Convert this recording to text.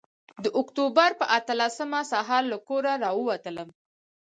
د اکتوبر پر اتلسمه سهار له کوره راووتلم.